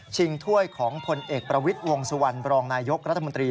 ถ้วยของผลเอกประวิทย์วงสุวรรณบรองนายยกรัฐมนตรี